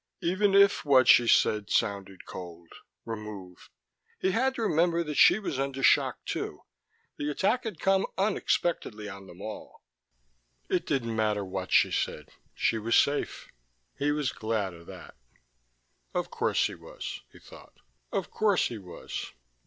Even if what she said had sounded cold, removed he had to remember she was under shock, too, the attack had come unexpectedly on them all. It didn't matter what she said: she was safe. He was glad of that. Of course he was, he thought. Of course he was.